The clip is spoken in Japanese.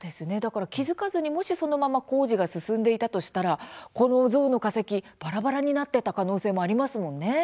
だから気付かずにもしそのまま工事が進んでいたとしたらこのゾウの化石がばらばらになっていたかもしれませんよね。